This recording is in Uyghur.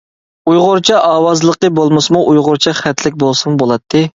ئۇيغۇرچە ئاۋازلىقى بولمىسىمۇ ئۇيغۇرچە خەتلىك بولسىمۇ بولاتتى.